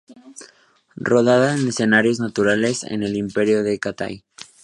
Rodada en escenarios naturales en el Imperio de Cathay.